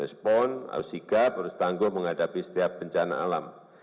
respon harus sigap harus tangguh menghadapi setiap bencana alam